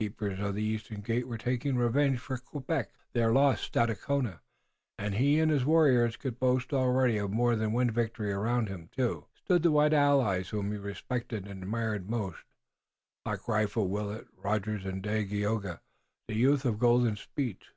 The Keepers of the Eastern Gate were taking revenge for Quebec, their lost Stadacona, and he and his warriors could boast already of more than one victory. Around him, too, stood the white allies whom he respected and admired most, Black Rifle, Willet, Rogers and Dagaeoga, the youth of golden speech.